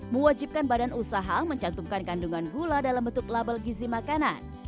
mewajibkan badan usaha mencantumkan kandungan gula dalam bentuk label gizi makanan